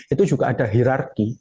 itu juga ada hirarki